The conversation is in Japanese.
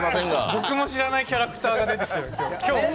僕も知らないキャラクターが出てきた、今日。